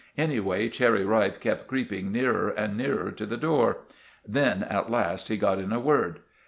Anyway, Cherry Ripe kept creeping nearer and nearer to the door. Then, at last, he got in a word.